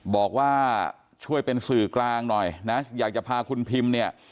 บอกว่าช่วยเป็นสื่อกลางหน่อยนะอยากจะพาคุณพิมเนี่ย